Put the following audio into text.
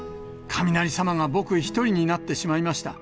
雷様が僕一人になってしまいました。